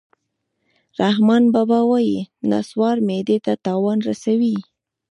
رحمان بابا وایي: نصوار معدې ته تاوان رسوي